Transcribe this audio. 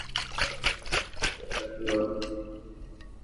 আপনারা প্রস্তুত থাকলে ওনাকে অডিটরিয়ামে নিয়ে আসি।